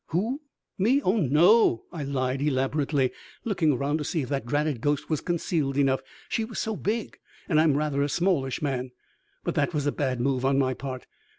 "Who? Me? Oh, no," I lied elaborately, looking around to see if that dratted ghost was concealed enough. She was so big, and I'm rather a smallish man. But that was a bad move on my part.